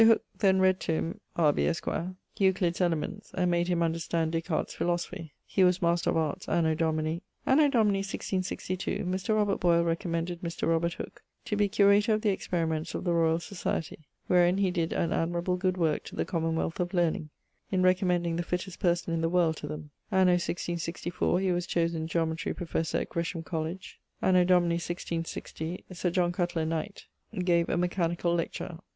Hooke then read to him (R. B., esqre) Euclid's Elements, and made him understand Des Cartes' Philosophy. He was Master of Arts anno Domini.... Anno Domini 166<2> Mr. Robert Boyle recommended Mr. Robert Hooke to be Curator of the Experiments of the Royall Society, wherin he did an admirable good worke to the Common wealth of Learning, in recommending the fittest person in the world to them. Anno <1664> he was chosen Geometry Professour at Gresham College[GA]. Anno Domini 166 Sir John Cutler, knight, gave a Mechanicall lecture